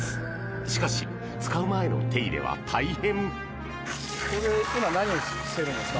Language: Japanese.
しかし、使う前の手入れは大変。